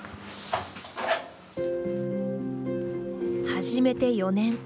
始めて４年。